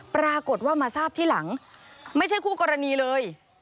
ปรากฏว่ามาทราบที่หลังไม่ใช่คู่กรณีเลย